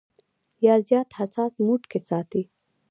يا زيات حساس موډ کښې ساتي -